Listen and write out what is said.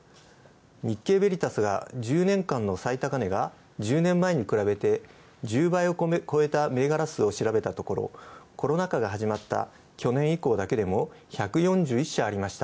日経ヴェリタスが１０年間の最高値が１０年前に比べて１０倍を超えた銘柄数を調べたところ、コロナ禍が始まった去年以降だけでも１４１社ありました。